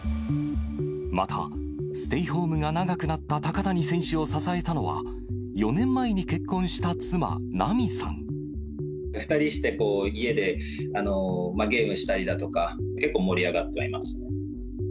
また、ステイホームが長くなった高谷選手を支えたのは、４年前に結婚し２人して、家でゲームしたりだとか、結構盛り上がってはいます。